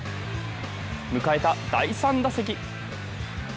迎えた第３打席。